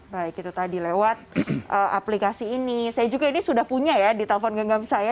baik itu tadi lewat aplikasi ini saya juga ini sudah punya ya di telpon genggam saya